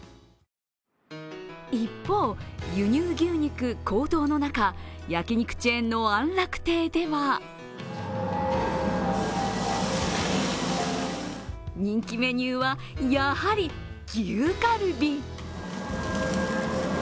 一方、輸入牛肉高騰の中焼肉チェーンの安楽亭では人気メニューは、やはり牛カルビ。